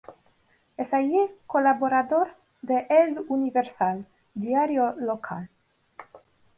Es allí colaborador de El Universal, diario local.